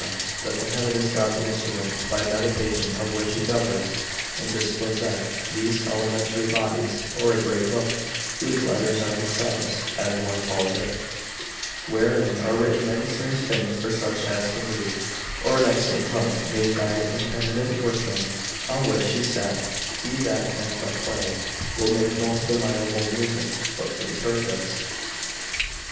that the heaven is God's instrument, by mediation of which he governs and disposeth these elementary bodies; or a great book, whose letters are the stars, (as one calls it,) wherein are written many strange things for such as can read, or an excellent harp, made by an eminent workman, on which, he that can but play, will make most admirable music. But to the purpose.